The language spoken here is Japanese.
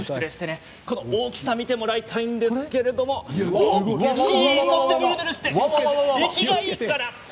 この大きさを見てもらいたいんですけれど大きい、そしてぬるぬるしている生きがいいから。